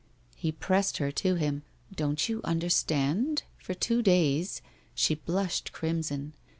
He pressed her to him, " Don't you understand ? For two days —" She blushed crimson.